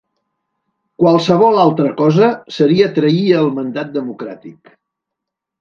Qualsevol altra cosa seria trair el mandat democràtic.